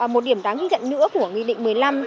một điểm đáng ghi nhận nữa của nghị định một mươi năm